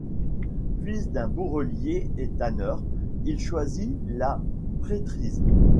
Fils d'un bourrelier et tanneur, il choisit la prêtrise.